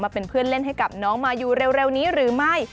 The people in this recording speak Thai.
เป็นเพื่อนเล่นให้กับน้องมายูเร็วนี้หรือไม่